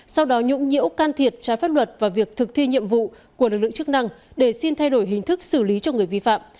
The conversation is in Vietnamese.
sau đó nhũng nhiễu can thiệt trái pháp luật và việc thực thi nhiệm vụ của lực lượng chức năng để xin thay đổi hình thức xử lý cho người vi phạm